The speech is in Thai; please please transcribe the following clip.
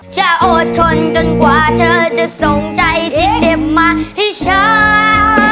จะอดทนจนกว่าเธอจะส่งใจที่เก็บมาให้ฉัน